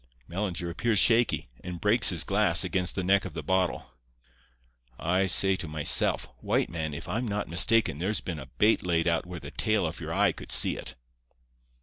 "Mellinger appears shaky, and breaks his glass against the neck of the bottle. "I says to myself, 'White man, if I'm not mistaken there's been a bait laid out where the tail of your eye could see it.